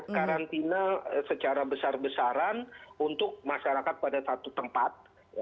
sekarang sekarang itu harus diberi kebijakan secara besar besaran untuk masyarakat pada satu tempat